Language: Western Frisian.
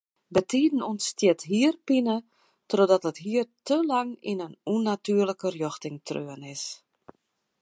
Bytiden ûntstiet hierpine trochdat it hier te lang yn in ûnnatuerlike rjochting treaun is.